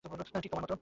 ঠিক তোমার মত।